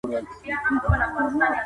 دی خپله ډله تر خپل ځان لوړه ګڼي.